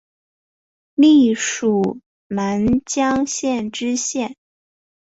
历署南江县知县。